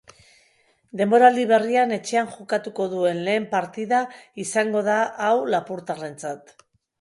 Denboraldi berrian etxean jokatuko duen lehen partida izango da hau lapurtarrentzat.